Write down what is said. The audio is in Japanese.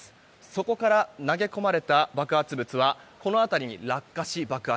そこから投げ込まれた爆発物はこの辺りに落下し爆発。